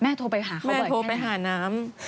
แม่โทรศัพท์ไปหาเขาบ่อยแค่ไหนแม่โทรศัพท์ไปหาน้ำ